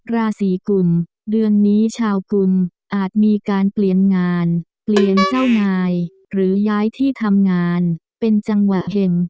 ราศีกุลเดือนนี้ชาวกุลอาจมีการเปลี่ยนงานเปลี่ยนเจ้านายหรือย้ายที่ทำงานเป็นจังหวะเห็ง